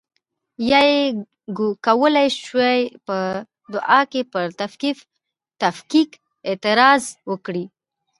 یا یې کولای شوای په دعا کې پر تفکیک اعتراض وکړي.